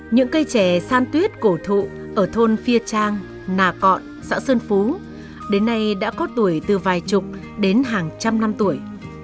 những cây trẻ san tuyết cổ thụ ở thôn phia trang nà cọn xã sơn phú đến nay đã có tuổi từ vài chục đến hàng trăm năm tuổi